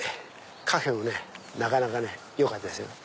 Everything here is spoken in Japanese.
カフェもねなかなかよかったですよね。